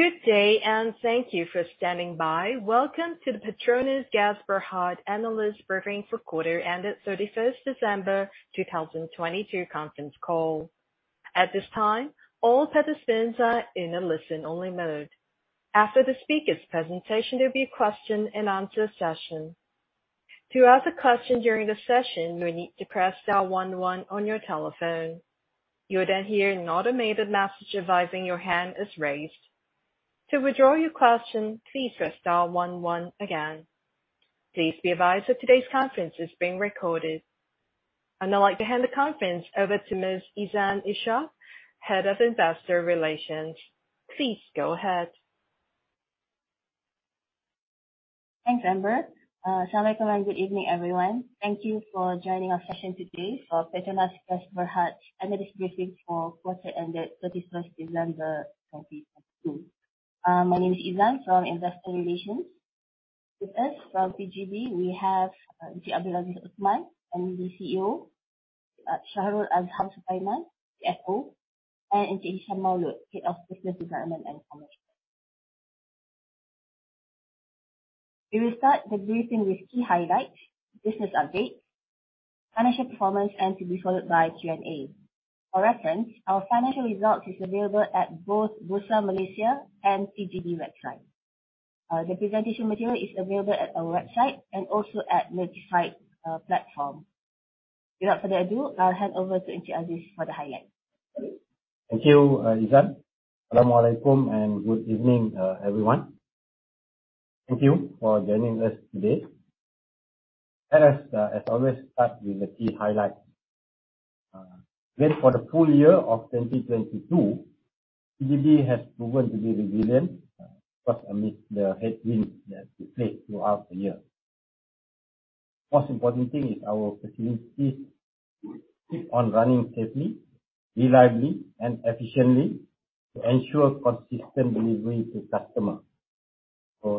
Good day, thank you for standing by. Welcome to the PETRONAS Gas Berhad Analyst Briefing for quarter ended 31st December 2022 conference call. At this time, all participants are in a listen only mode. After the speakers' presentation, there'll be a question-and-answer session. To ask a question during the session, you will need to press star one one on your telephone. You will then hear an automated message advising your hand is raised. To withdraw your question, please press star one one again. Please be advised that today's conference is being recorded. I'd now like to hand the conference over to Ms. Izan Ishak, Head of Investor Relations. Please go ahead. Thanks, Amber. Salaam alaikum and good evening, everyone. Thank you for joining our session today for PETRONAS Gas Berhad Analyst Briefing for quarter ended 31st December 2022. My name is Izan from Investor Relations. With us from PGB, we have Encik Abdul Aziz Othman, MD CEO, Shahrul Azham Sukaiman, CFO, and Encik Hisham Maaulot, Head of Business Development and Commercial. We will start the briefing with key highlights, business updates, financial performance, and to be followed by Q&A. For reference, our financial results is available at both Bursa Malaysia and PGB website. The presentation material is available at our website and also at [website] platform. Without further ado, I'll hand over to Encik Aziz for the highlight. Thank you, Izan. Salaam alaikum, and good evening, everyone. Thank you for joining us today. Let us, as always, start with the key highlight. Well, for the full year of 2022, PGB has proven to be resilient, first amidst the headwinds that we faced throughout the year. Most important thing is our facilities keep on running safely, reliably, and efficiently to ensure consistent delivery to customer.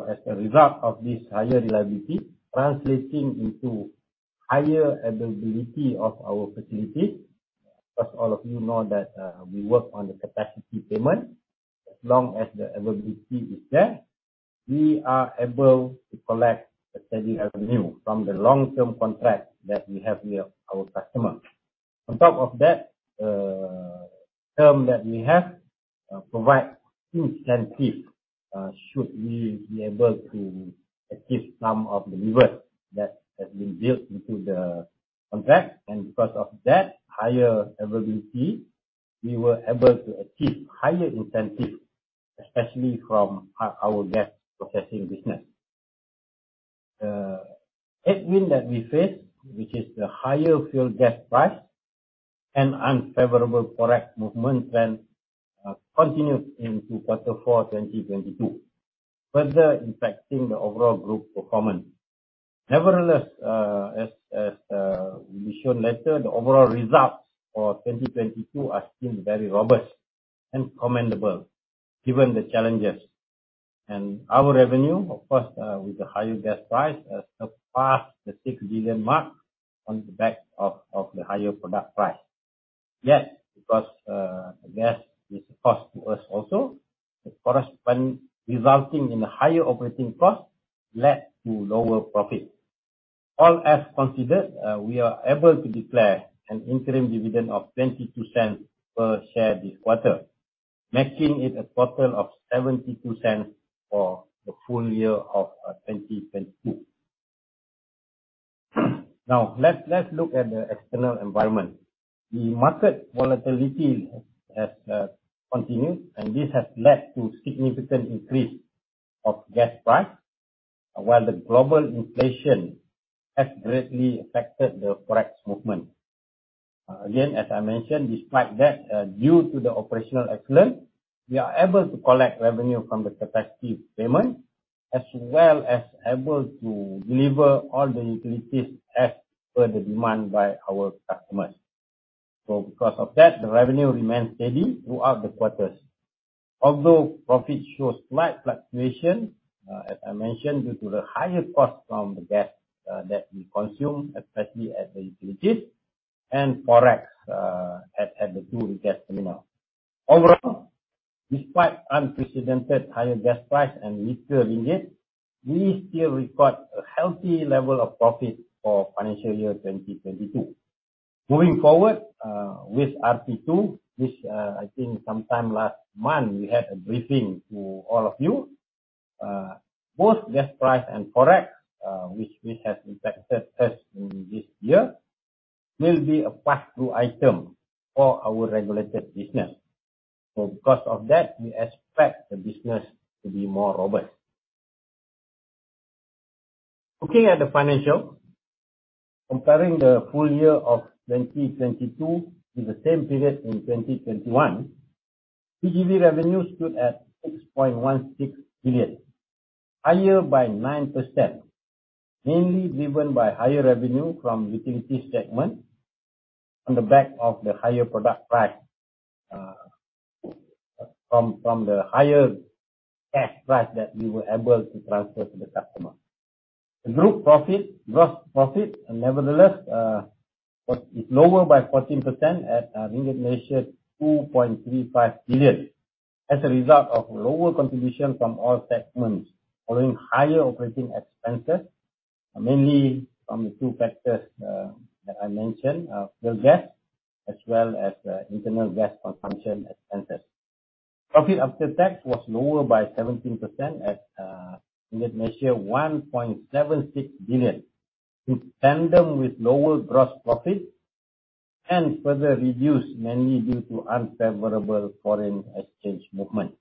As a result of this higher reliability translating into higher availability of our facility, because all of you know that, we work on the capacity payment. As long as the availability is there, we are able to collect a steady revenue from the long-term contract that we have with our customers. On top of that, term that we have, provides huge incentive, should we be able to achieve some of the levels that has been built into the contract. Because of that higher availability, we were able to achieve higher incentive, especially from our gas processing business. The headwind that we face, which is the higher fuel gas price and unfavorable forex movement, continued into quarter four 2022, further impacting the overall group performance. Nevertheless, as we show later, the overall results for 2022 are still very robust and commendable given the challenges. Our revenue, of course, with the higher gas price has surpassed the 6 billion mark on the back of the higher product price. Because the gas is a cost to us also, the corresponding resulting in higher operating cost led to lower profit. All else considered, we are able to declare an interim dividend of 0.22 per share this quarter, making it a total of 0.72 for the full year of 2022. Let's look at the external environment. The market volatility has continued, and this has led to significant increase of gas price, while the global inflation has greatly affected the forex movement. Again, as I mentioned, despite that, due to the operational excellence, we are able to collect revenue from the capacity payment as well as able to deliver all the utilities as per the demand by our customers. Because of that, the revenue remains steady throughout the quarters. Although profit shows slight fluctuation, as I mentioned, due to the higher cost from the gas that we consume, especially at the utilities and forex, at the two gas terminal. Overall, despite unprecedented higher gas price and weaker Ringgit, we still record a healthy level of profit for financial year 2022. Moving forward, with RP2, which I think sometime last month we had a briefing to all of you. Both gas price and Forex, which has impacted us in this year, will be a pass-through item for our regulated business. Because of that, we expect the business to be more robust. Looking at the financial, comparing the full year of 2022 to the same period in 2021, PGB revenue stood at 6.16 billion, higher by 9%, mainly driven by higher revenue from Utilities segment on the back of the higher product price, from the higher gas price that we were able to transfer to the customer. The group profit, gross profit and nevertheless, is lower by 14% at 2.35 billion ringgit. As a result of lower contribution from all segments, following higher operating expenses, mainly from the two factors that I mentioned, fuel gas as well as internal gas consumption expenses. Profit after tax was lower by 17% at 1.76 billion, in tandem with lower gross profit and further reduced mainly due to unfavorable foreign exchange movement.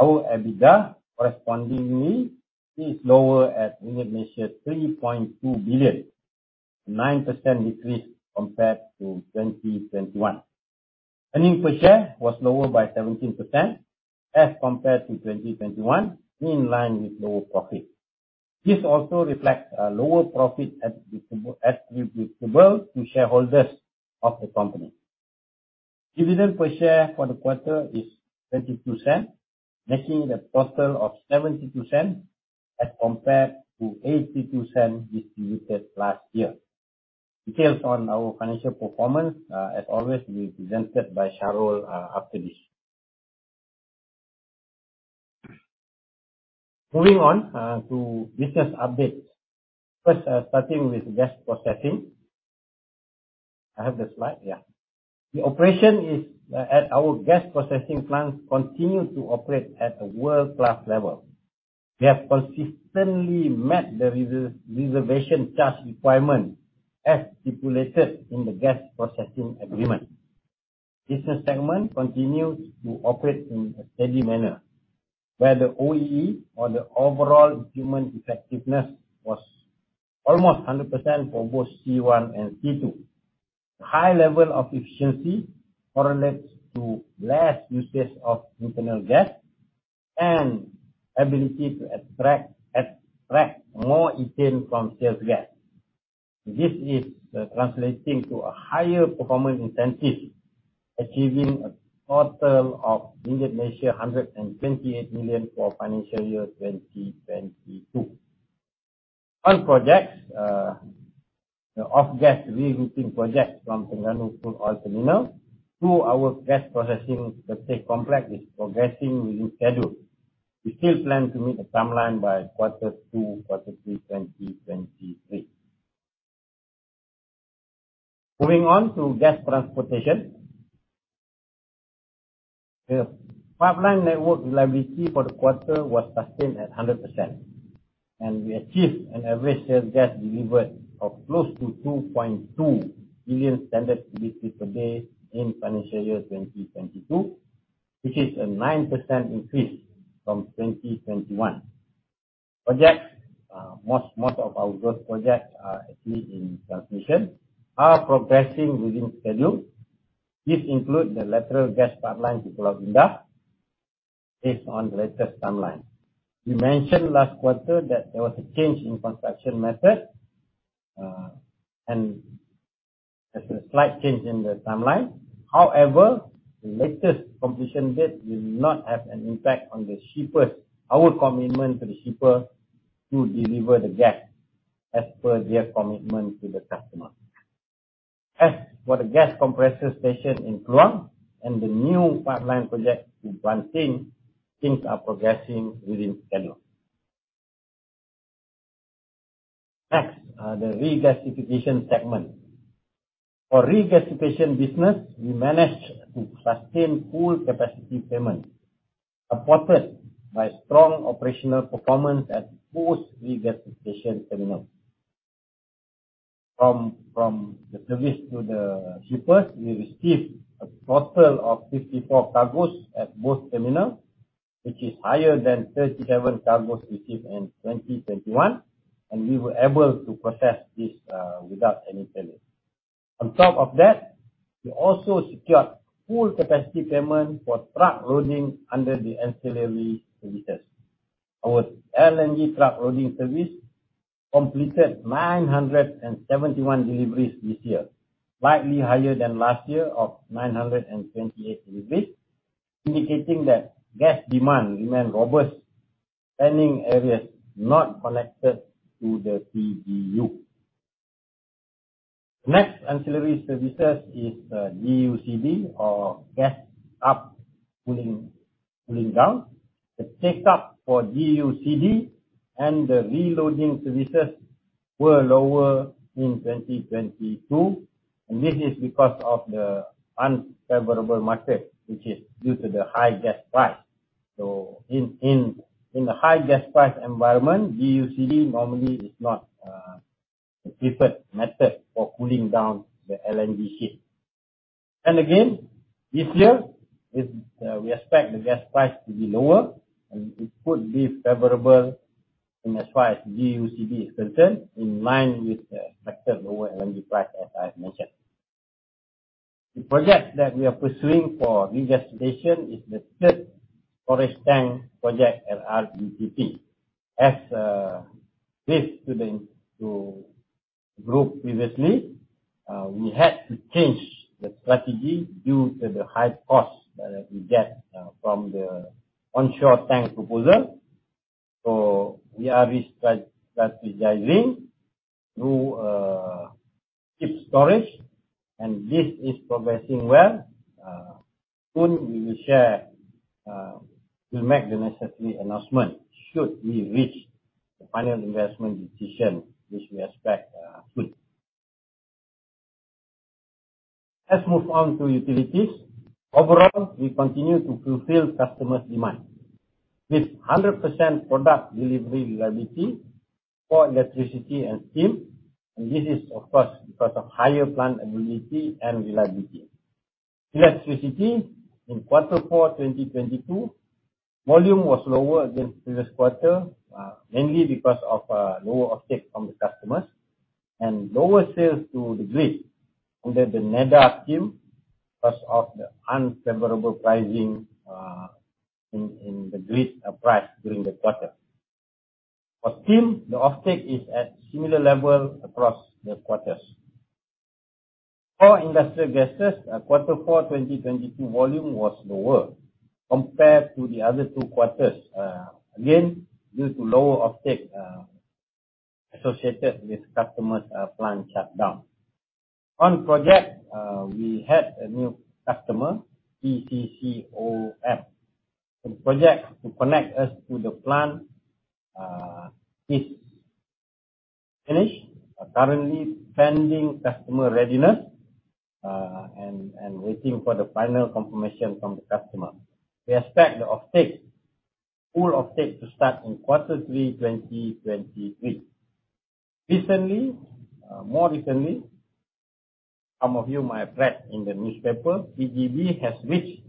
Our EBITDA correspondingly is lower at 3.2 billion, 9% decrease compared to 2021. Earning per share was lower by 17% as compared to 2021, in line with lower profit. This also reflects lower profit attributable to shareholders of the company. Dividend per share for the quarter is 0.22, making it a total of 0.72 as compared to 0.82 distributed last year. Details on our financial performance, as always, will be presented by Shahrul after this. Moving on to business updates. First, starting with gas processing. I have the slide, yeah. The operation is at our gas processing plants continue to operate at a world-class level. We have consistently met the reservation charge requirement as stipulated in the Gas Processing Agreement. Business segment continues to operate in a steady manner, where the OEE or the overall equipment effectiveness was almost 100% for both C1 and C2. High level of efficiency correlates to less usage of internal gas and ability to extract more ethane from sales gas. This is translating to a higher performance incentive, achieving a total of 128 million for financial year 2022. On projects, the off-gas rerouting project from Terengganu Crude Oil Terminal to our Gas Processing Complex is progressing within schedule. We still plan to meet the timeline by Q2, Q3 2023. Moving on to gas transportation. The pipeline network reliability for the quarter was sustained at 100%, and we achieved an average sales gas delivered of close to 2.2 billion SCFD in financial year 2022, which is a 9% increase from 2021. Projects, most of our growth projects are actually in transmission, are progressing within schedule. This includes the lateral gas pipeline to Pulau Indah based on the latest timeline. We mentioned last quarter that there was a change in construction method, and there's a slight change in the timeline. However, the latest completion date will not have an impact on the shippers, our commitment to the shipper to deliver the gas as per their commitment to the customer. As for the gas compressor station in Kluang and the new pipeline project to Plentong, things are progressing within schedule. Next, the regasification segment. For regasification business, we managed to sustain full capacity payment, supported by strong operational performance at both regasification terminals. From the service to the shippers, we received a total of 54 cargoes at both terminals, which is higher than 37 cargoes received in 2021, and we were able to process this without any failure. On top of that, we also secured full capacity payment for truck loading under the ancillary services. Our LNG truck loading service completed 971 deliveries this year, slightly higher than last year of 928 deliveries, indicating that gas demand remain robust, pending areas not connected to the PGU. Ancillary services is GUCD or gas up cooling down. The take-up for GUCD and the reloading services were lower in 2022. This is because of the unfavorable market, which is due to the high gas price. In the high gas price environment, GUCD normally is not the preferred method for cooling down the LNG ship. Again, this year is we expect the gas price to be lower and it could be favorable in as far as GUCD is concerned, in line with the expected lower LNG price, as I have mentioned. The project that we are pursuing for regasification is the third storage tank project at RGTP. This to the Group previously, we had to change the strategy due to the high cost that we get from the onshore tank proposal. We are restructuring through ship storage, and this is progressing well. Soon we will share. We'll make the necessary announcement should we reach the final investment decision, which we expect soon. Let's move on to utilities. Overall, we continue to fulfill customers' demand. With 100% product delivery reliability for electricity and steam. This is, of course, because of higher plant ability and reliability. Electricity in quarter four, 2022, volume was lower than previous quarter, mainly because of lower offtake from the customers and lower sales to the grid under the NEDA scheme because of the unfavorable pricing in the grid price during the quarter. For steam, the offtake is at similar level across the quarters. For industrial gases, quarter four, 2022 volume was lower compared to the other two quarters. Again, due to lower offtake, associated with customers' plant shutdown. On project, we had a new customer, [PCCOF]. The project to connect us to the plant is finished. Currently pending customer readiness and waiting for the final confirmation from the customer. We expect the offtake, full offtake to start in quarter three 2023. Recently, more recently, some of you might have read in the newspaper, PGB has reached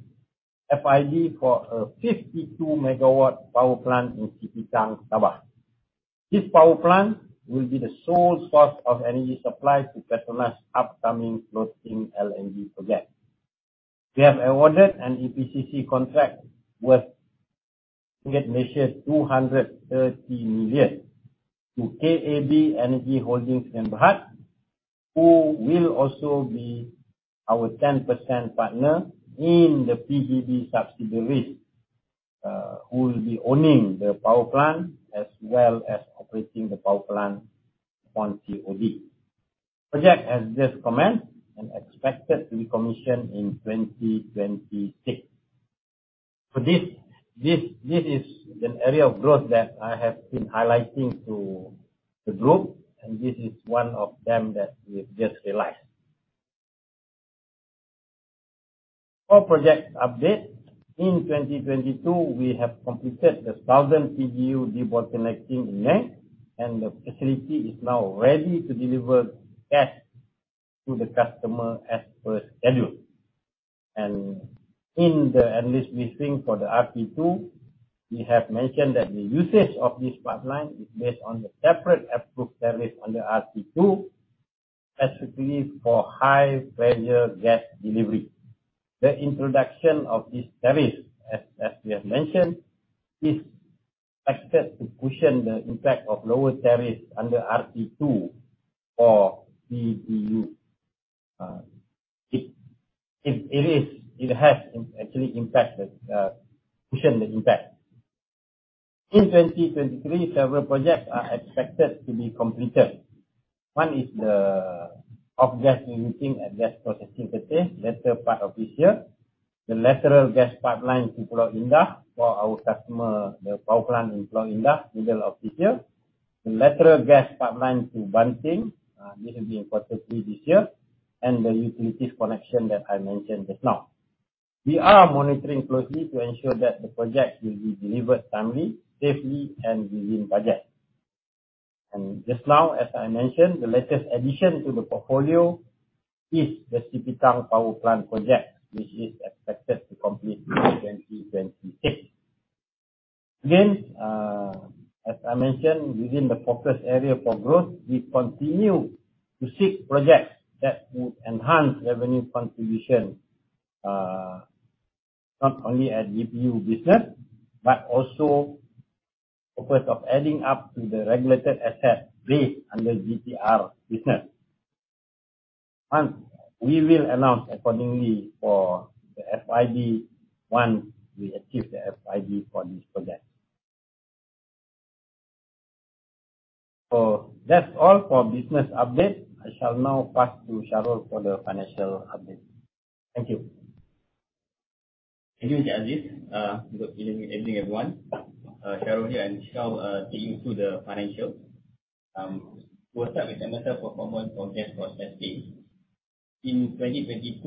FID for a 52 megawatt power plant in Sipitang, Sabah. This power plant will be the sole source of energy supply to PETRONAS' upcoming Floating LNG project. We have awarded an EPCC contract worth 230 million to KAB Energy Holdings Sdn Bhd, who will also be our 10% partner in the PGB subsidiaries, who will be owning the power plant as well as operating the power plant on COD. Project has just commenced and expected to be commissioned in 2026. This is an area of growth that I have been highlighting to the group, and this is one of them that we've just realized. Project update, in 2022, we have completed the Southern PGU debottlenecking in May, and the facility is now ready to deliver gas to the customer as per schedule. In the analyst meeting for the RP2, we have mentioned that the usage of this pipeline is based on the separate approved tariff under RP2, specifically for high-pressure gas delivery. The introduction of this tariff, as we have mentioned, is expected to cushion the impact of lower tariffs under RP2 for PPU. It has actually impacted, cushioned the impact. In 2023, several projects are expected to be completed. One is the off-gas utilization at Gas Processing Kerteh, latter part of this year. The lateral gas pipeline to Pulau Indah for our customer, the power plant in Pulau Indah, middle of this year. The lateral gas pipeline to Banting, this will be in quarter three this year. The utilities connection that I mentioned just now. We are monitoring closely to ensure that the project will be delivered timely, safely, and within budget. Just now, as I mentioned, the latest addition to the portfolio is the Sipitang Power Plant project, which is expected to complete in 2026. As I mentioned, within the focus area for growth, we continue to seek projects that would enhance revenue contribution, not only at PGU business, but also focus of adding up to the regulated asset base under GTR business. Once, we will announce accordingly for the FID once we achieve the FID for this project. That's all for business update. I shall now pass to Shahrul for the financial update. Thank you. Thank you, Encik Aziz. Good evening, everyone. Shahrul here, Shahrul take you through the financial. We'll start with MCO performance for Gas Processing. In 2022,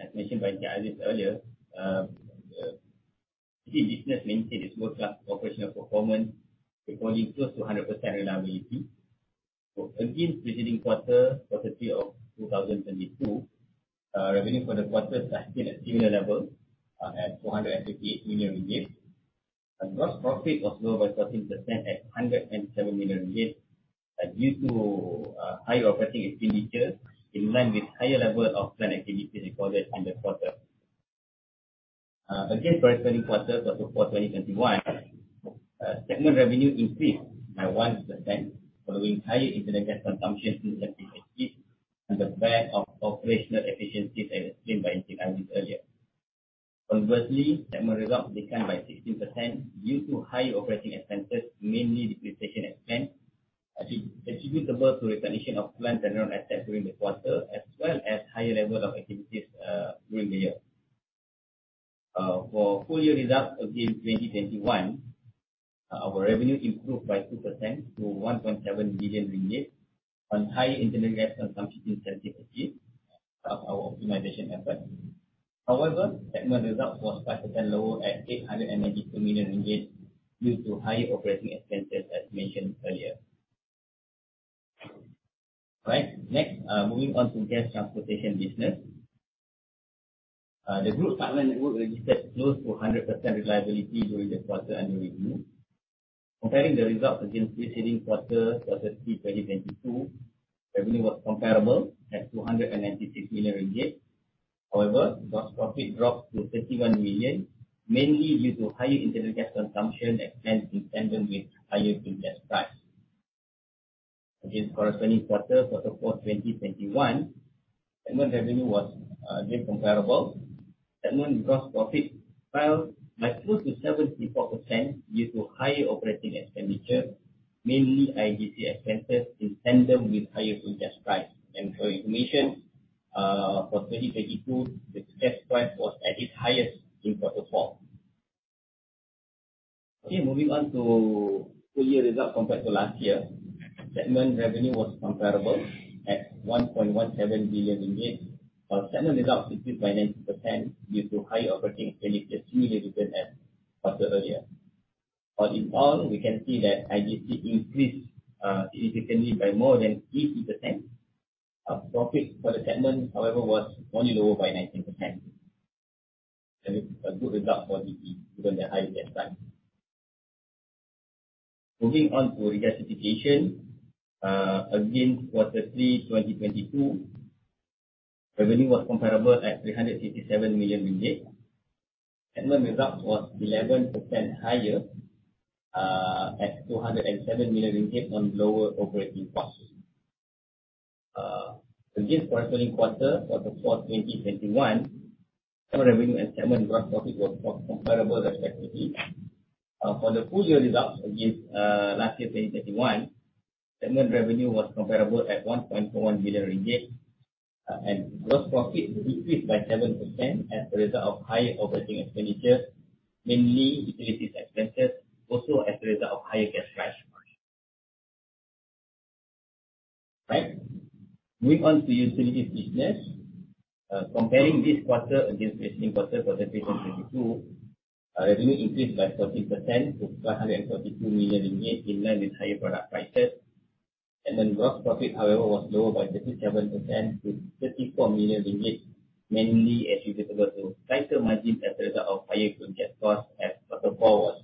as mentioned by Encik Aziz earlier, the PGU business maintained its world-class operational performance, recording close to 100% reliability. Against preceding quarter, Q3 2022, revenue for the quarter has been at similar level, at 458 million ringgit. Gross profit was lower by 13% at 107 million ringgit, due to higher operating expenditures in line with higher level of plant activities recorded in the quarter. Again, corresponding quarter Q4 2021, segment revenue increased by 1% following higher internal gas consumption in electricity and the back of operational efficiencies as explained by earlier. Segment results declined by 16% due to high operating expenses, mainly depreciation expense attributable to recognition of plant and asset during the quarter, as well as higher level of activities during the year. For full year results against 2021, our revenue improved by 2% to 1.7 billion ringgit on higher internal gas consumption of our optimization effort. Segment result was 5% lower at 892 million ringgit due to higher operating expenses, as mentioned earlier. Moving on to gas transportation business. The group pipeline network registered close to 100% reliability during the quarter under review. Comparing the results against preceding quarter three 2022, revenue was comparable at 296 million ringgit. However, gross profit dropped to 31 million, mainly due to higher internal gas consumption that stands in tandem with higher gas price. Against corresponding quarter, Q4 2021, segment revenue was again comparable. Segment gross profit fell by close to 74% due to higher operating expenditure, mainly IGC expenses in tandem with higher gas price. For information, for 2022, the gas price was at its highest in Q4. Okay. Moving on to full year results compared to last year. Segment revenue was comparable at 1.17 billion ringgit. Our segment results increased by 90% due to higher operating expenditure, similarly different as quarter earlier. On the whole, we can see that IGC increased significantly by more than 80%. Our profit for the segment, however, was only lower by 19%. A good result for GE, given the high gas price. Moving on to regasification. Again, quarterly 2022, revenue was comparable at 357 million ringgit. Segment results was 11% higher, at 207 million ringgit on lower operating costs. Against corresponding quarter, Q4 2021, total revenue and segment gross profit was comparable respectively. For the full year results against last year, 2021, segment revenue was comparable at 1.1 billion ringgit. Gross profit decreased by 7% as a result of higher operating expenditure, mainly utilities expenses, also as a result of higher gas price. Moving on to utilities business. Comparing this quarter against preceding quarter, Q3 2022, our revenue increased by 14% to MYR 542 million, in line with higher product prices. Segment gross profit, however, was lower by 37% to 34 million, mainly attributable to tighter margin as a result of higher fuel gas cost as Q4 was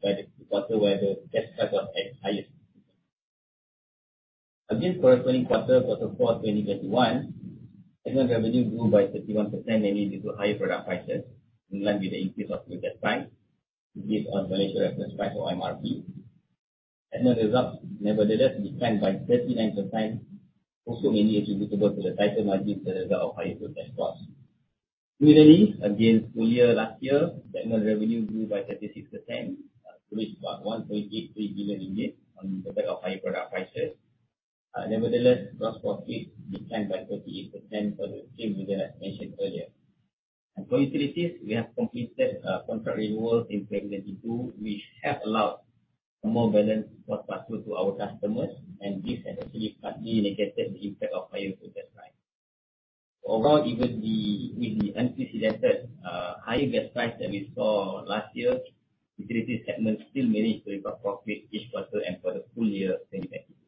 the quarter where the gas price was at highest. Against corresponding quarter, Q4 2021, segment revenue grew by 31%, mainly due to higher product prices in line with the increase of fuel gas price based on Malaysia Reference Price or MRP. Segment results nevertheless declined by 39%, also mainly attributable to the tighter margin as a result of higher fuel gas cost. Similarly, against full year last year, segment revenue grew by 36% to reach about 1.83 billion ringgit on the back of high product prices. Nevertheless, gross profit declined by 38% for the same reason as mentioned earlier. For utilities, we have completed contract renewals in 2022 which have allowed a more balanced cost pass through to our customers, and this has actually partly negated the impact of higher fuel gas price. Overall, even with the unprecedented high gas price that we saw last year, Utilities Segment still managed to improve our profit each quarter and for the full year 2022.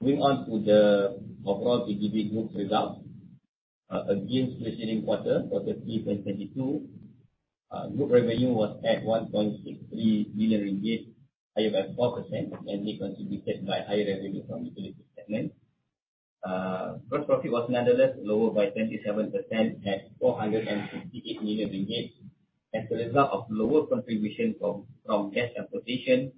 Moving on to the overall PGB group results. Against preceding quarter, Q3 2022, group revenue was at 1.63 billion ringgit, higher by 4%, mainly contributed by higher revenue from utilities segment. Gross profit was nonetheless lower by 27% at 458 million ringgit as a result of lower contribution from gas transportation,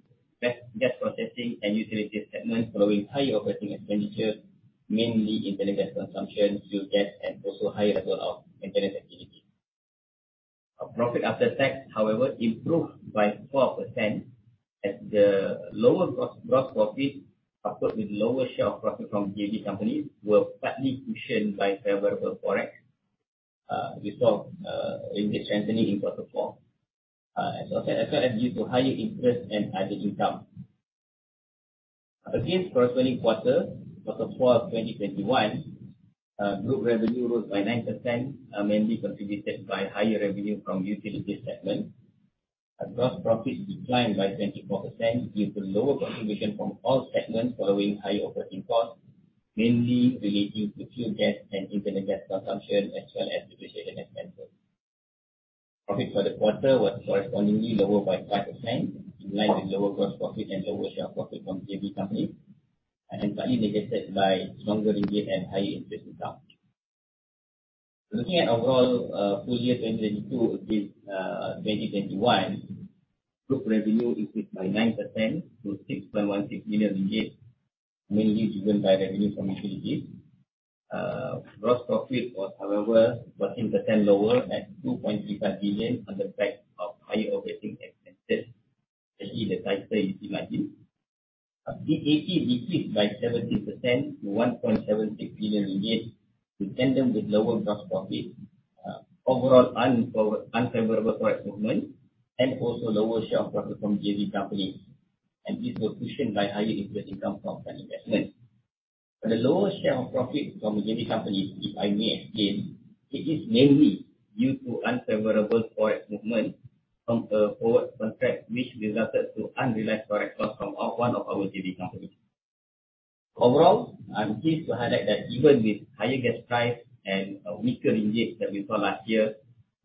gas processing and Utilities segment following higher operating expenditure, mainly internal gas consumption, fuel gas and also higher level of maintenance activity. Our profit after tax, however, improved by 4% as the lower gross profit coupled with lower share of profit from JV companies were partly cushioned by favorable forex, we saw Ringgit strengthening in quarter four. As well as due to higher interest and other income. Against corresponding quarter four 2021, group revenue rose by 9%, mainly contributed by higher revenue from Utilities segment. Our gross profit declined by 24% due to lower contribution from all segments following high operating costs, mainly relating to fuel gas and internal gas consumption, as well as depreciation. Profit for the quarter was correspondingly lower by 5%, in line with lower gross profit and lower share profit from JV companies. Partly negated by stronger ringgit and higher interest income. Looking at overall, full year 2022 against 2021, group revenue increased by 9% to 6.16 million ringgit, mainly driven by revenue from utilities. Gross profit was, however, 14% lower at 2.35 billion on the back of higher operating expenses, especially the tighter IGC margin. EBT decreased by 17% to 1.76 billion ringgit, in tandem with lower gross profit, overall unfavorable forex movement, also lower share of profit from JV companies. This was cushioned by higher interest income from plant investment. For the lower share of profit from JV companies, if I may explain, it is mainly due to unfavorable forex movement from a forward contract which resulted to unrealized forex loss from one of our JV companies. Overall, I'm pleased to highlight that even with higher gas price and a weaker ringgit that we saw last year,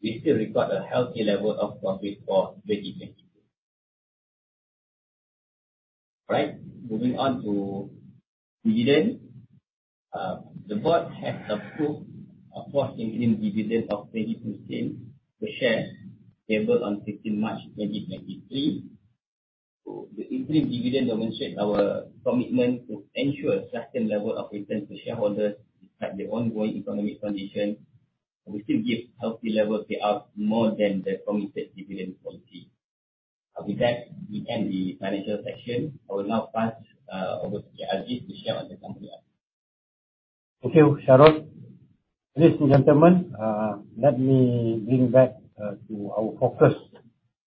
we still record a healthy level of profit for 2022. Right. Moving on to dividend. The board has approved a fourth interim dividend of 0.20 per share, payable on 15th March, 2023. The interim dividend demonstrates our commitment to ensure a certain level of return to shareholders despite the ongoing economic condition. We still give healthy level payout more than the committed dividend policy. With that, we end the financial section. I will now pass over to Aziz to share on the company update. Okay, Shahrul. Ladies and gentlemen, let me bring back to our focus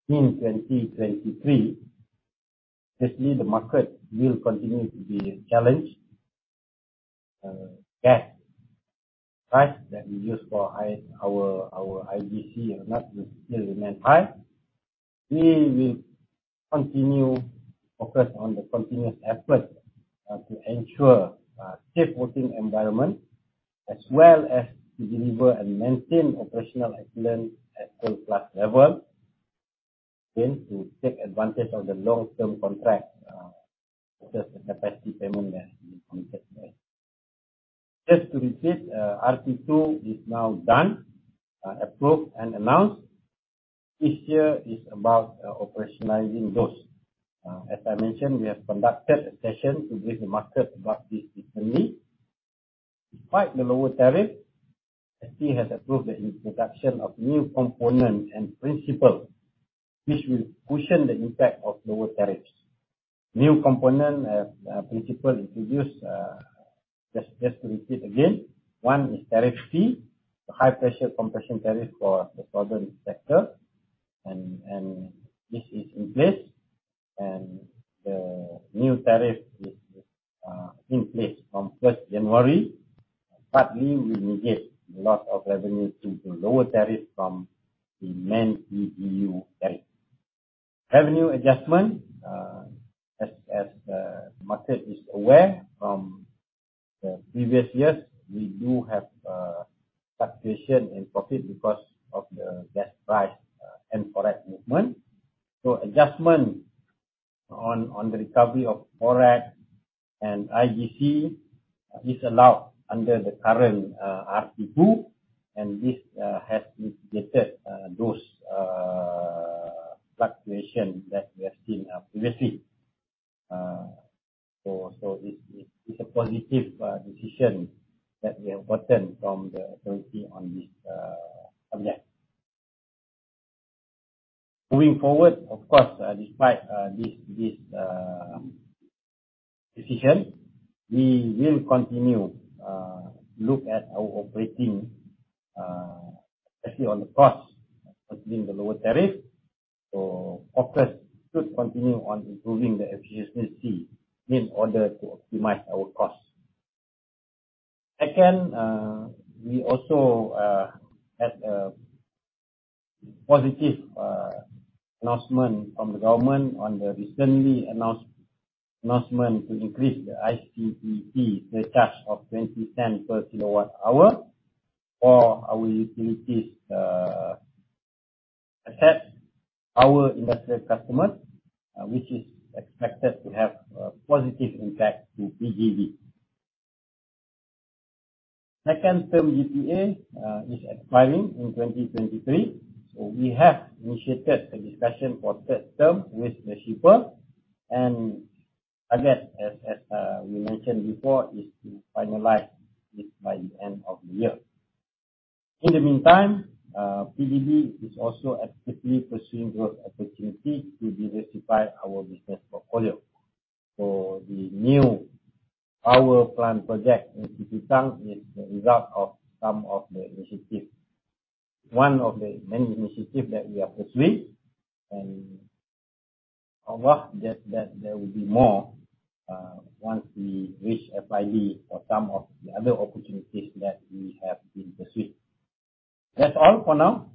in 2023. The market will continue to be a challenge. Gas price that we use for our IGC will still remain high. We will continue focus on the continuous effort to ensure safe working environment as well as to deliver and maintain operational excellence at world-class level. To take advantage of the long-term contract, such as the capacity payment that we contracted there. Just to repeat, RP2 is now done, approved and announced. This year is about operationalizing those. As I mentioned, we have conducted a session to brief the market about this recently. Despite the lower tariff, ST has approved the introduction of new components and principles which will cushion the impact of lower tariffs. New component, principle introduced, just to repeat again, one is Tariff C, the high pressure compression tariff for the power sector. This is in place. The new tariff is in place from 1st January. Partly will negate the loss of revenue due to lower tariffs from the main PGU tariff. Revenue adjustment, as the market is aware from the previous years, we do have fluctuation in profit because of the gas price and forex movement. Adjustment on the recovery of forex and IGC is allowed under the current RP2, and this has mitigated those fluctuation that we have seen previously. It's a positive decision that we have gotten from the authority on this subject. Moving forward, of course, despite this decision, we will continue look at our operating, especially on the cost, especially in the lower tariff. Focus should continue on improving the efficiency in order to optimize our costs. Second, we also had a positive announcement from the government on the recently announced to increase the ICPT surcharge of 0.20 per kilowatt hour for our utilities, except our industrial customers, which is expected to have a positive impact to PGB. Second term GPA is expiring in 2023. I guess, as we mentioned before, is to finalize it by the end of the year. In the meantime, PGB is also actively pursuing growth opportunity to diversify our business portfolio. The new power plant project in Sipitang is the result of some of the initiatives. One of the many initiatives that we are pursuing, and of course that there will be more once we reach FYE for some of the other opportunities that we have been pursuing. That's all for now.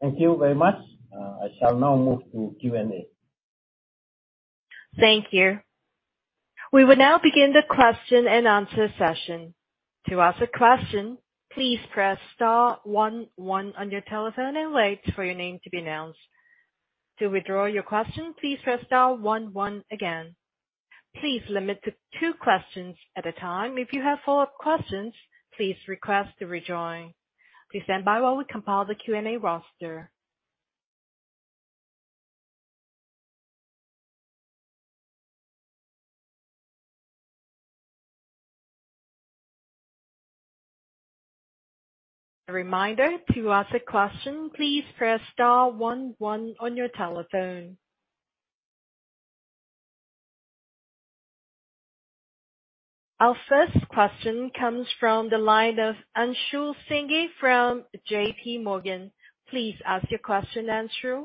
Thank you very much. I shall now move to Q&A. Thank you. We will now begin the question and answer session. To ask a question, please press star one one on your telephone and wait for your name to be announced. To withdraw your question, please press star one one again. Please limit to two questions at a time. If you have follow-up questions, please request to rejoin. Please stand by while we compile the Q&A roster. A reminder, to ask a question, please press star one one on your telephone. Our first question comes from the line of Anshool Singhi from JPMorgan. Please ask your question, Anshool.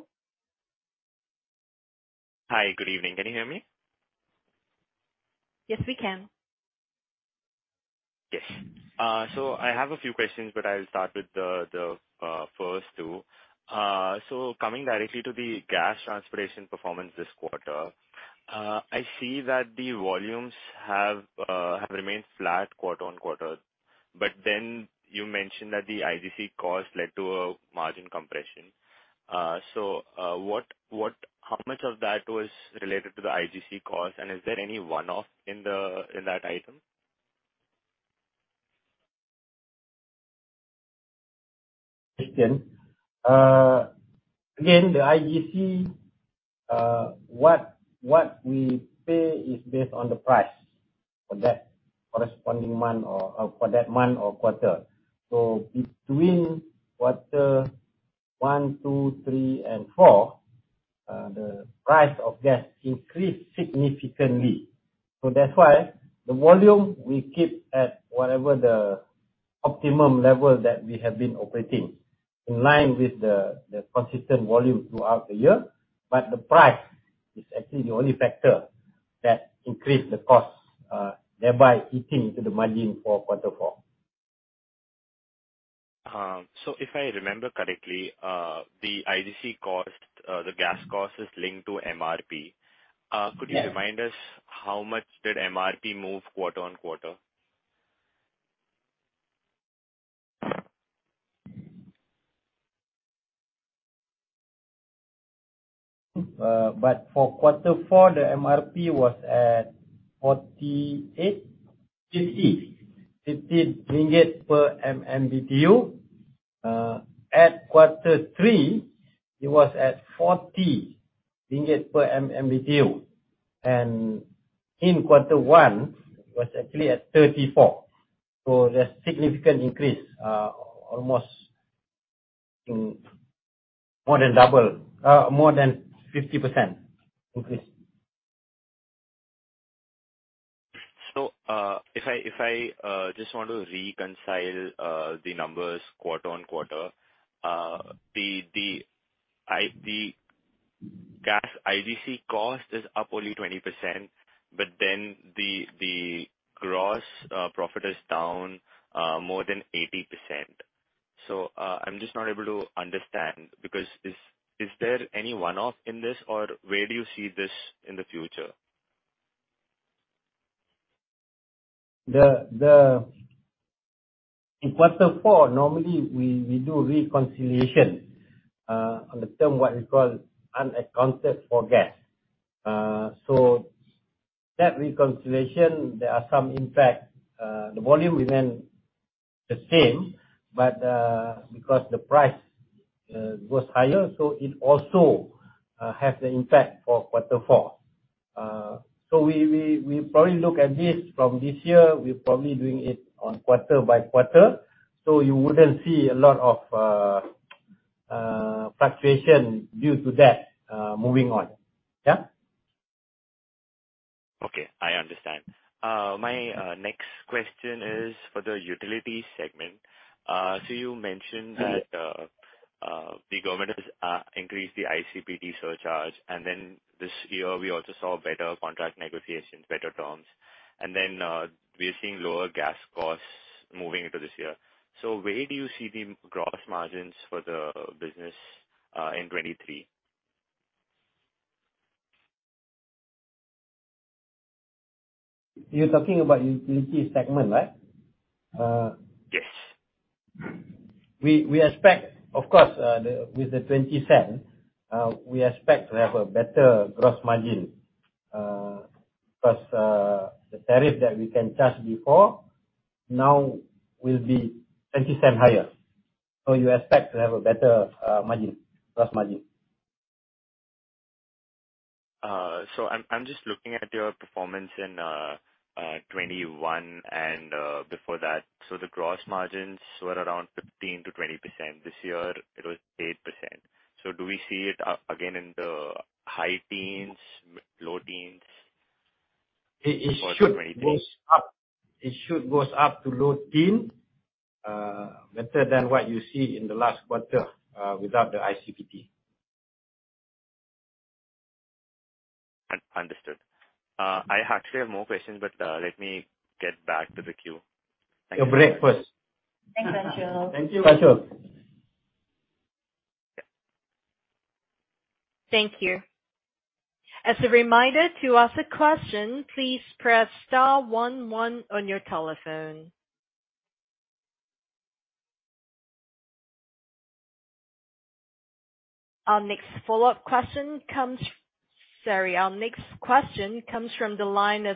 Hi. Good evening. Can you hear me? Yes, we can. Yes. I have a few questions, but I'll start with the, first two. Coming directly to the gas transportation performance this quarter, I see that the volumes have remained flat quarter-on-quarter. You mentioned that the IGC costs led to a margin compression. How much of that was related to the IGC cost, and is there any one-off in that item? Again, the IGC, what we pay is based on the price for that corresponding month or for that month or quarter. Between quarter one, two, three, and four, the price of gas increased significantly. That's why the volume we keep at whatever the optimum level that we have been operating in line with the consistent volume throughout the year. The price is actually the only factor that increased the cost, thereby eating into the margin for quarter four. If I remember correctly, the IGC cost, the gas cost is linked to MRP. Yes. Could you remind us how much did MRP move quarter-on-quarter? For quarter four, the MRP was at MYR 50 per MMBTU. At quarter three, it was at 40 ringgit per MMBTU, and in quarter one it was actually at 34 per MMBTU. There's significant increase, almost more than double, more than 50% increase. If I just want to reconcile the numbers quarter-on-quarter, the gas IGC cost is up only 20%, the gross profit is down more than 80%. I'm just not able to understand because is there any one-off in this or where do you see this in the future? In quarter four, normally we do reconciliation on the term what we call unaccounted for gas. That reconciliation, there are some impact. The volume remained the same, but because the price goes higher, it also have the impact for quarter four. We probably look at this from this year, we're probably doing it on quarter by quarter, so you wouldn't see a lot of fluctuation due to that moving on. Yeah. Okay, I understand. My next question is for the utility segment. Mm-hmm. You mentioned that the government has increased the ICPT surcharge. This year we also saw better contract negotiations, better terms. We are seeing lower gas costs moving into this year. Where do you see the gross margins for the business in 2023? You're talking about utility segment, right? Yes. We expect, of course, the, with the 0.20, we expect to have a better gross margin, cause, the tariff that we can charge before now will be 0.20 higher. You expect to have a better margin, gross margin. I'm just looking at your performance in 2021 and before that. The gross margins were around 15%-20%. This year it was 8%. Do we see it again in the high teens, low teens for 2024? It should goes up. It should goes up to low teen, better than what you see in the last quarter, without the ICPT. Understood. I actually have more questions, but let me get back to the queue. Thank you. Your breakfast. Thanks, Anshool. Thank you Anshool Thank you. As a reminder, to ask a question, please press star one one on your telephone. Our next question comes from the line of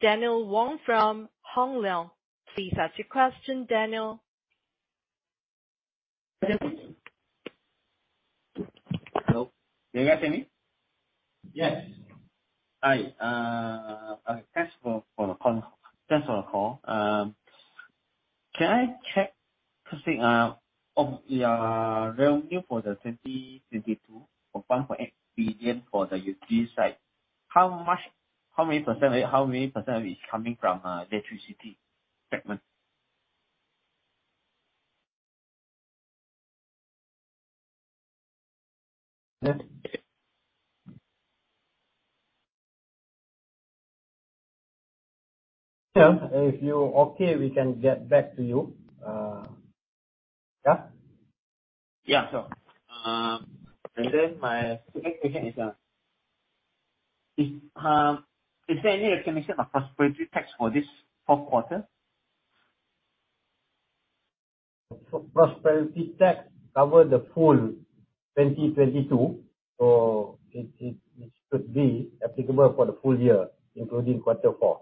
Daniel Wong from Hong Leong. Please ask your question, Daniel. Hello. Can you guys hear me? Yes. Hi, thanks for the call. Thanks for the call. Can I check to see, of your revenue for 2022 of 1.8 billion for the utilities, how much, how many % of it is coming from, electricity segment? Yeah. If you okay, we can get back to you. Yeah. Yeah, sure. My second question is there any recognition of Prosperity Tax for this fourth quarter? Prosperity Tax cover the full 2022, so it should be applicable for the full year, including quarter four.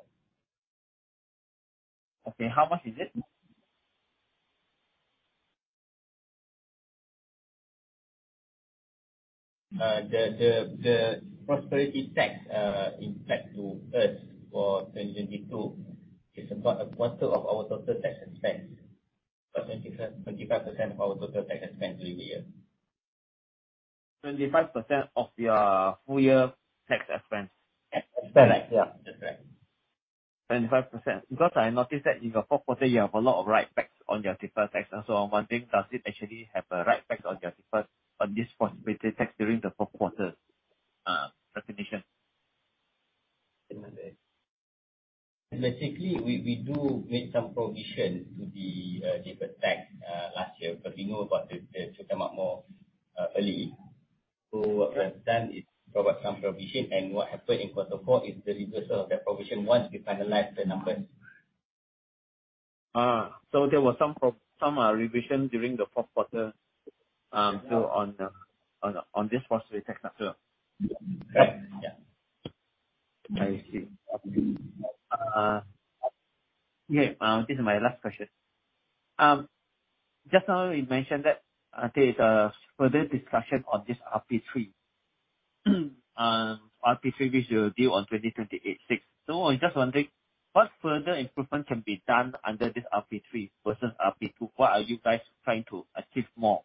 Okay. How much is it? The Prosperity Tax impact to us for 2022 is about a quarter of our total tax expense. 25% of our total tax expense during the year. 25% of your full year tax expense. Expense, yeah. Expense. 25%. I noticed that in your fourth quarter, you have a lot of write backs on your deferred tax. I'm wondering, does it actually have a write back on your deferred on this Prosperity Tax during the fourth quarter recognition? Basically, we do make some provision to the deferred tax last year because we know about the Cukai Makmur early so then. So there was some revision during the fourth quarter? so on the. Yeah I see. This is my last question just now you mentioned that for the discussion on RP3. So I'm just wondering, what further improvement can be done under this RP3 versus RP2? Or are you guys trying to achieve more?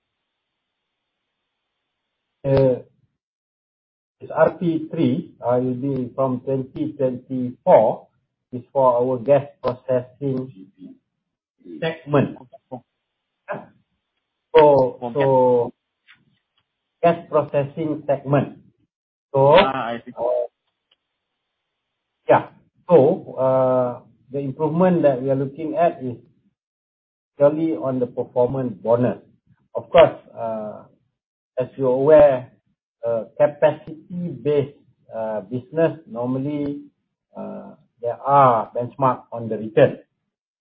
This RP3,2024 is for our gas processing so the improvement that we are looking at is coming on the performance bonus. Of course show where normally there are benchmarks on the retail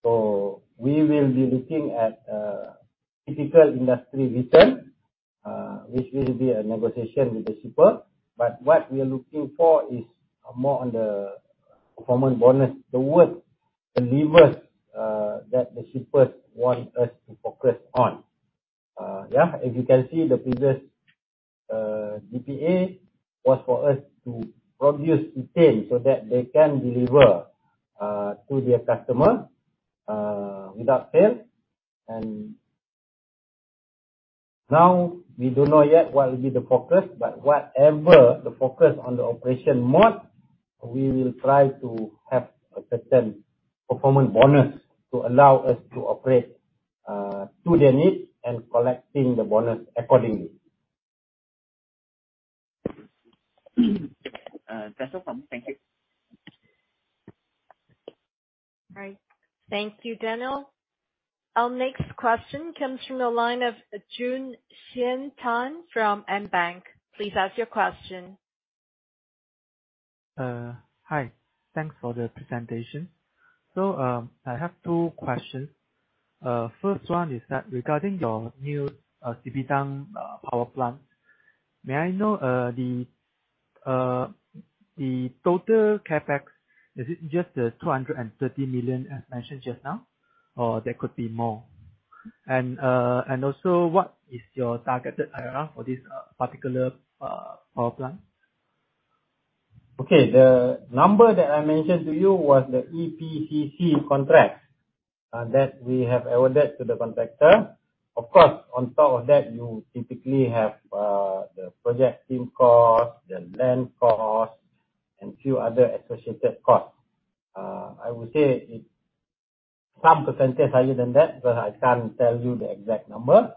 so we will be looking at but what we are looking for is more on the common deliver the shipment . If you can see the deliver to the customer without fail and now we don't know yet why it occurs but whatever occurs on the operation, we will try to have a system, performance bonus to try to appraise That's all from me. Thank you. All right. Thank you, Daniel. Our next question comes from the line of Tan Jun Sian from AmBank. Please ask your question. Hi. Thanks for the presentation. I have two questions. First one is that regarding your new Sipitang power plant, may I know the total CapEx, is it just 230 million as mentioned just now, or there could be more? Also what is your targeted IRR for this particular power plant? Okay. The number that I mentioned to you was the EPCC contract that we have awarded to the contractor. Of course, on top of that, you typically have the project team costs, the land costs, and few other associated costs. I would say it's some percentage higher than that, but I can't tell you the exact number.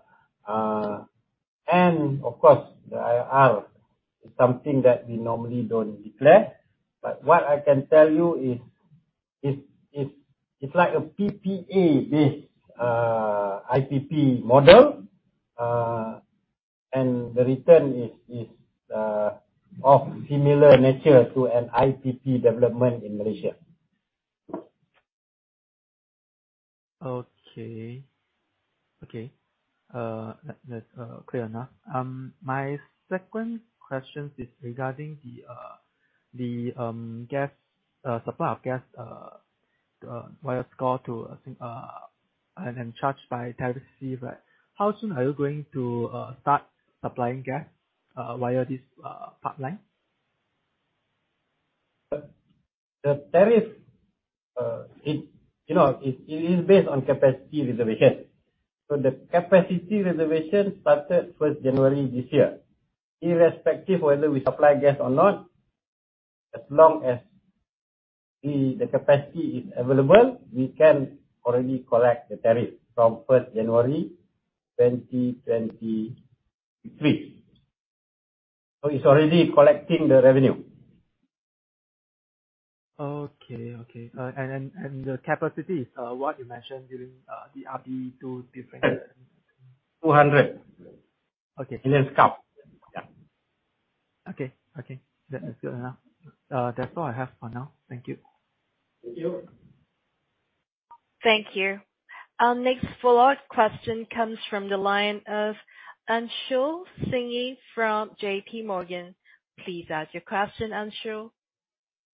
And of course, the IRR is something that we normally don't declare. What I can tell you is, it's like a PPA-based IPP model. And the return is of similar nature to an IPP development in Malaysia. Okay. Okay. That's clear enough. My second question is regarding the supply of gas via score to and then charged by Tariff C, right? How soon are you going to start supplying gas via this pipeline? The tariff, You know, it is based on capacity reservation. The capacity reservation started 1st January this year. Irrespective whether we supply gas or not, as long as the capacity is available, we can already collect the tariff from 1st January 2023. It's already collecting the revenue. Okay. Okay. The capacity is what you mentioned during the RP2. 200. Okay. Million scf. Yeah. Okay. Okay. That is good enough. That's all I have for now. Thank you. Thank you. Thank you. Our next follow-up question comes from the line of Anshool Singhi from JPMorgan. Please ask your question, Anshool.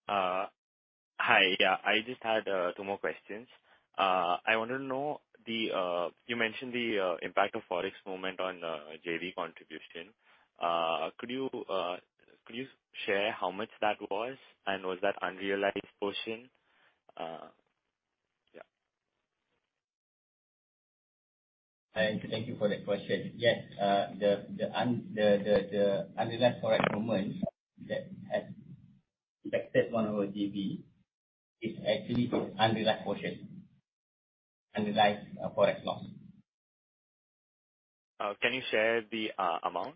Hi. I just had two more questions. I wanna know the, you mentioned the impact of Forex movement on JV contribution. Could you share how much that was? Was that unrealized portion? Thank you for that question. Yes, the unrealized forex movement that has affected one of our JV is actually unrealized portion. Unrealized forex loss. Can you share the amount?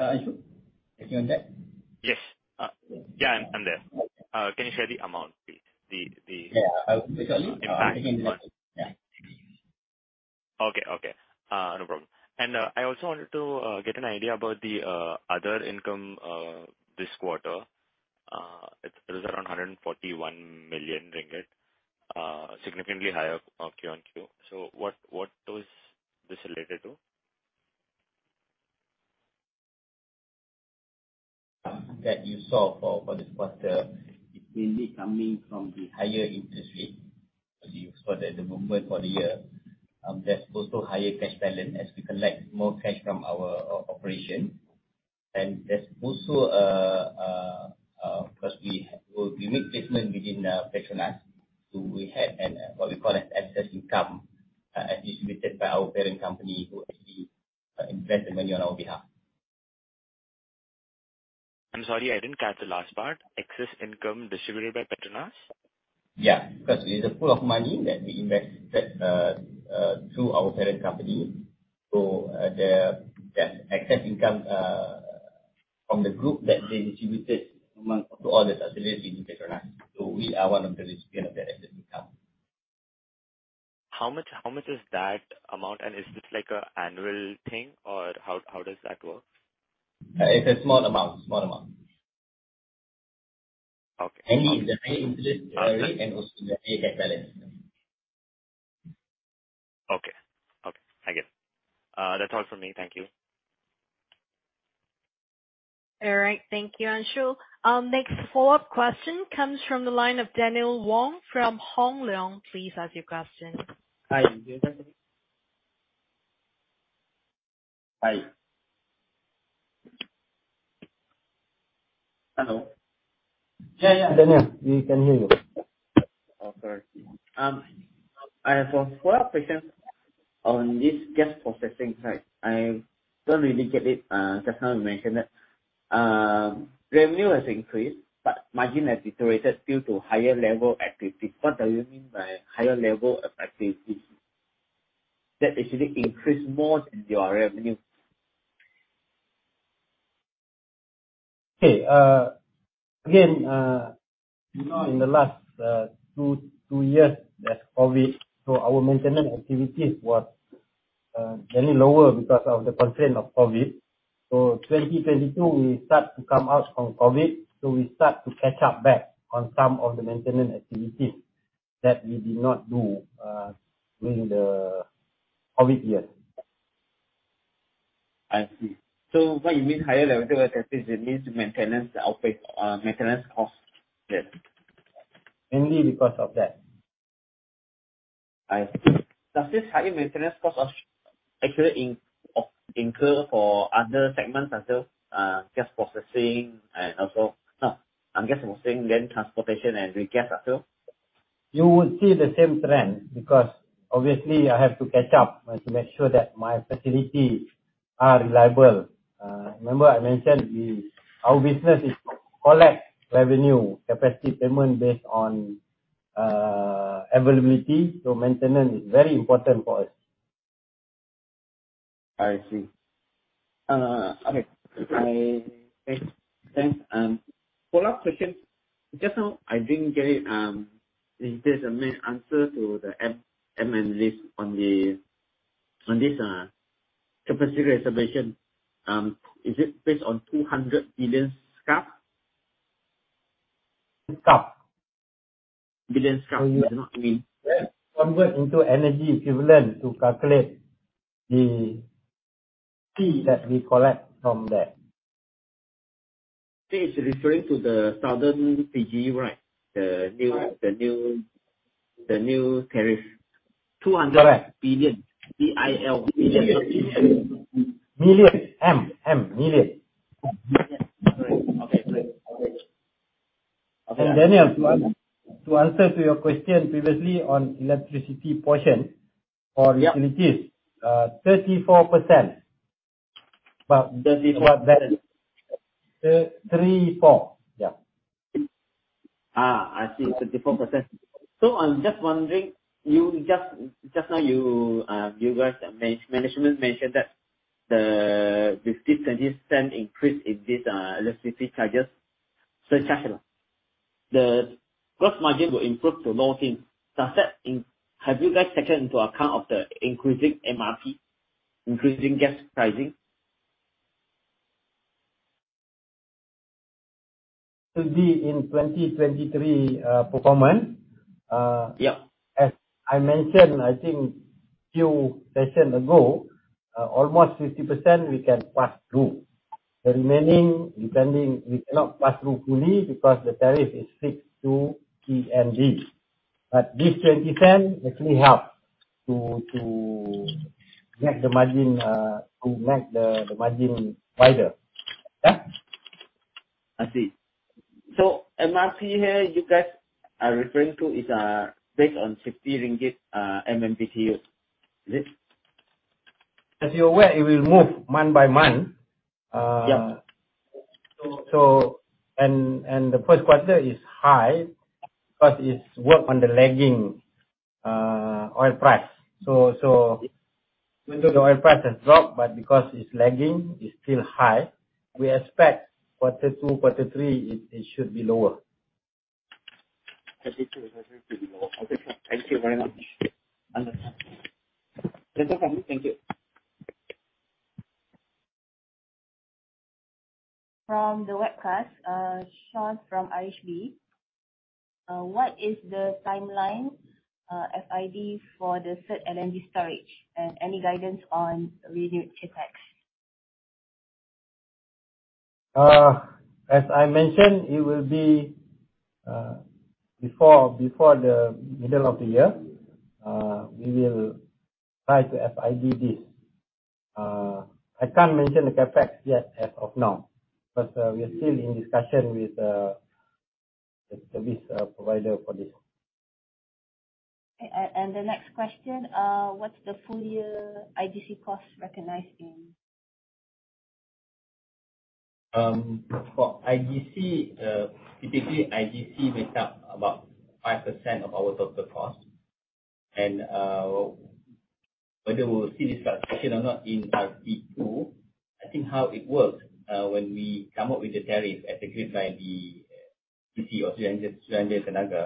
Anshool, are you there? Yes. Yeah, I'm there. Okay. Can you share the amount, please? Yeah. Which one? The impact in money. Yeah. Okay. No problem. I also wanted to get an idea about the other income this quarter. It was around 141 million ringgit, significantly higher Q-on-Q. What is this related to? That you saw for this quarter, it's mainly coming from the higher interest rate for the movement for the year. There's also higher cash balance as we collect more cash from our operation. There's also, cause we make placement within PETRONAS. We have what we call an excess income as distributed by our parent company who actually invest the money on our behalf. I'm sorry, I didn't catch the last part. Excess income distributed by PETRONAS? Yeah. Because it is a pool of money that we invested through our parent company. There's excess income from the group that they distributed to all the subsidiaries in PETRONAS. We are one of the recipients of that excess income. How much is that amount? Is this like an annual thing or how does that work? It's a small amount. Small amount. Okay. The high interest rate and also the high cash balance. Okay. Okay. I get it. That's all from me. Thank you. All right. Thank you, Anshool. Our next follow-up question comes from the line of Daniel Wong from Hong Leong. Please ask your question. Hi. Hi. Hello? Yeah, Daniel, we can hear you. Sorry. I have a follow-up question on this gas processing side. I don't really get it, just how you mentioned that revenue has increased, margin has deteriorated due to higher level activities. What do you mean by higher level activities that actually increase more than your revenue? Okay. Again, you know, in the last two years, there's COVID. Our maintenance activities was generally lower because of the constraint of COVID. 2022, we start to come out from COVID, so we start to catch up back on some of the maintenance activities that we did not do during the COVID years. I see. What you mean higher level activities, it means maintenance output, maintenance cost. Yes. Mainly because of that. I see. Does this higher maintenance cost actually incur for other segments also, gas processing and also? No, gas processing, then transportation and regas also? You will see the same trend because obviously I have to catch up to make sure that my facilities are reliable. Remember I mentioned our business is collect revenue, capacity payment based on availability. Maintenance is very important for us. I see. Okay. I. Thanks. Thanks. Follow-up question. Just now, I didn't get if there's a main answer to the analyst on this capacity reservation. Is it based on 200 billion scf? Scf? Billion scf. Yes. Convert into energy equivalent to calculate the fee that we collect from that. Fee is referring to the Southern PGU, right? Right. The new tariff. Correct. 200 billion. B-I-L-L-I-O-N. Million. Sorry. Okay, great. All right. Daniel, to answer to your question previously on electricity portion for utilities. Yeah. 34%. But- 34%. Three, four. Yeah. I see. 34%. I'm just wondering, you just now you guys management mentioned that this 0.20 increase in this electricity charges, surcharge. The gross margin will improve to 14%. Have you guys taken into account of the increasing MRP, increasing gas pricing? To be in 2023, performance. Yeah. As I mentioned, I think few session ago, almost 50% we can pass through. The remaining, depending, we cannot pass through fully because the tariff is fixed to TNB. This MYR 0.20 actually helps to make the margin wider. Yeah. I see. MRP here, you guys are referring to is, based on 50 ringgit MMBtu. As you're aware, it will move month by month. Yeah. The first quarter is high because it's work on the lagging oil price. Even though the oil price has dropped, but because it's lagging, it's still high. We expect quarter two, quarter three, it should be lower. Quarter two, quarter three will be lower. Okay. Thank you very much. Understood. That's all from me. Thank you. From the webcast, Sean from ISB. What is the timeline, FID for the third LNG storage, and any guidance on renewed CapEx? As I mentioned, it will be before the middle of the year, we will try to FID this. I can't mention the CapEx yet as of now, but we are still in discussion with the service provider for this. The next question, what's the full year IGC costs recognized in? For IGC, typically IGC makes up about 5% of our total cost. Whether we'll see this fluctuation or not in RP2, I think how it works, when we come up with the tariff as agreed by the EC or Suruhanjaya Tenaga,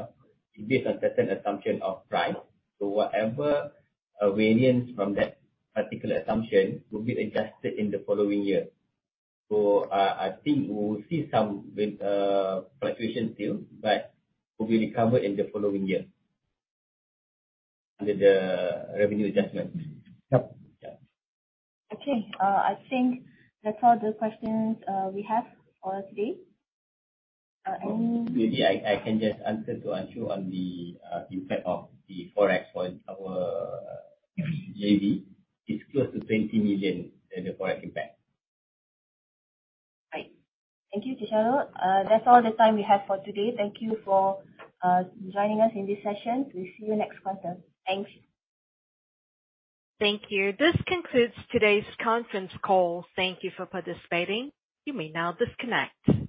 it's based on certain assumption of price. Whatever variance from that particular assumption will be adjusted in the following year. I think we will see some with fluctuation still, but will be recovered in the following year under the revenue adjustment. Yep. Yeah. Okay. I think that's all the questions we have for today. Maybe I can just answer to Anshool on the impact of the forex on our EBITDA. It's close to 20 million, the Forex impact. Right. Thank you, Encik Shahrul. That's all the time we have for today. Thank you for joining us in this session. We'll see you next quarter. Thanks. Thank you. This concludes today's conference call. Thank you for participating. You may now disconnect.